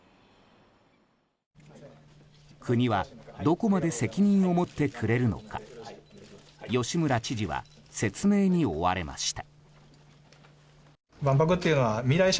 国はどこまで責任を持ってくれるのか吉村知事は説明に追われました。